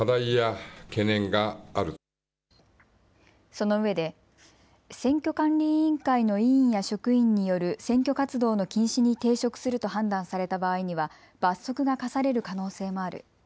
そのうえで選挙管理委員会の委員や職員による選挙活動の禁止に抵触すると判断された場合には罰則が科される可能性もある。